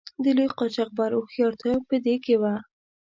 د لوی قاچاقبر هوښیارتیا په دې کې وه.